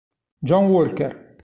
John Walker